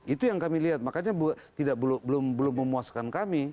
itu yang kami lihat makanya belum memuaskan kami